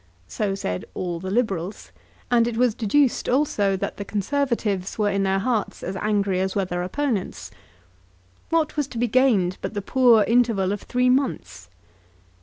So said all the Liberals, and it was deduced also that the Conservatives were in their hearts as angry as were their opponents. What was to be gained but the poor interval of three months?